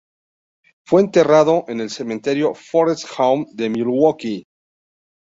Fue enterrado en el Cementerio Forest Home de Milwaukee.